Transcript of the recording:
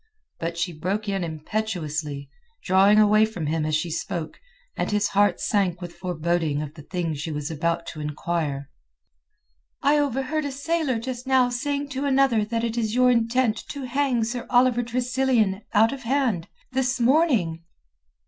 But she broke in impetuously, drawing away from him as she spoke, and his heart sank with foreboding of the thing she was about to inquire. "I overheard a sailor just now saying to another that it is your intent to hang Sir Oliver Tressilian out of hand—this morning."